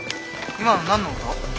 今の何の音？